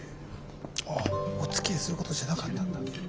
ああおつきあいするほどじゃなかったんだ。